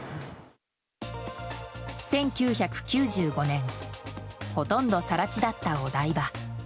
１９９５年ほとんど更地だったお台場。